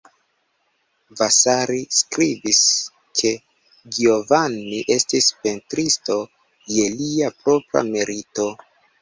Vasari skribis ke Giovanni estis pentristo je li propra merito.